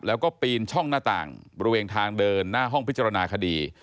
แล้วก็ปีนช่องหน้าต่างบริเวณทางเดินหน้าห้องพิจารณาคดี